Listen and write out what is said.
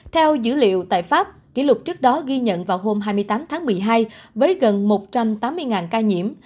theo dữ liệu tại pháp kỷ lục trước đó ghi nhận vào hôm hai mươi tám tháng một mươi hai với gần một trăm tám mươi ca nhiễm